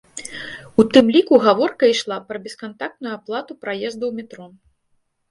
У тым ліку гаворка ішла пра бескантактную аплату праезду ў метро.